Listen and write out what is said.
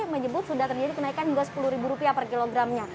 menyebut sudah terjadi kenaikan juga sepuluh ribu rupiah per kilogramnya